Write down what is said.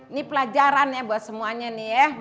ini pelajaran ya buat semuanya nih ya